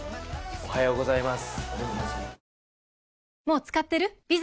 おはようございます。